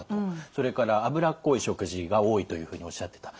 それから脂っこい食事が多いというふうにおっしゃってた。